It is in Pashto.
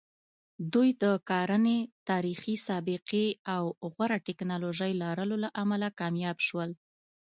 دوی د کرنې تاریخي سابقې او غوره ټکنالوژۍ لرلو له امله کامیاب شول.